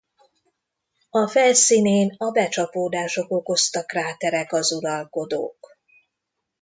A felszínén a becsapódások okozta kráterek az uralkodók.